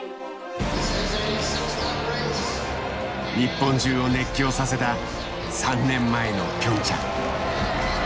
日本中を熱狂させた３年前のピョンチャン。